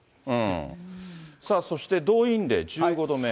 さあ、そして動員令、１５度目。